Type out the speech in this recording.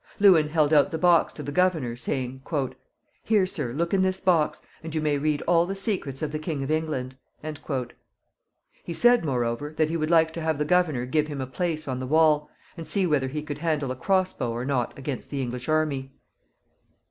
Lewin held out the box to the governor, saying, "Here, sir, look in this box, and you may read all the secrets of the King of England." He said, moreover, that he would like to have the governor give him a place on the wall, and see whether he could handle a cross bow or not against the English army.